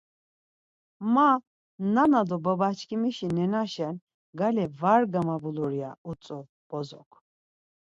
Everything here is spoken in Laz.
Ma nana do baba çkimişi nenaşen gale var gamabulur ya utzu bozok.